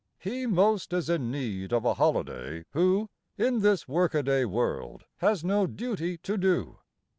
He most is in need of a holiday, who, In this workaday world, has no duty to do.